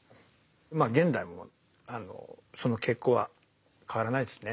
まあ現代もその傾向は変わらないですね。